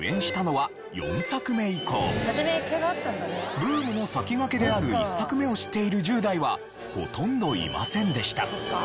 ブームの先駆けである１作目を知っている１０代はほとんどいませんでした。